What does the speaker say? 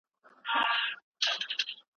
دا نوي مقاله تر ډېرو نورو مقالو ګټوره ده.